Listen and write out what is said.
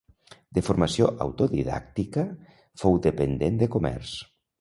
De formació autodidàctica, fou dependent de comerç.